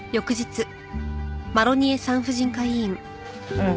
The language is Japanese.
うん。